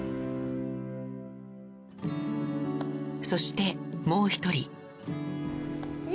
そして、もう１人。